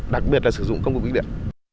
đặc biệt là sử dụng công cụ kích điện